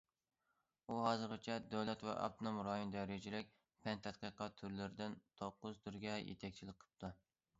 ئۇ، ھازىرغىچە دۆلەت ۋە ئاپتونوم رايون دەرىجىلىك پەن- تەتقىقات تۈرلىرىدىن توققۇز تۈرگە يېتەكچىلىك قىپتۇ.